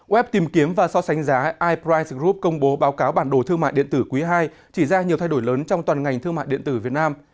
web tìm kiếm và so sánh giá iprice group công bố báo cáo bản đồ thương mại điện tử quý ii chỉ ra nhiều thay đổi lớn trong toàn ngành thương mại điện tử việt nam